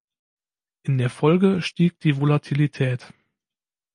In der Folge stieg die Volatilität.